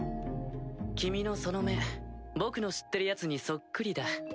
君のその目僕の知ってるヤツにそっくりだ。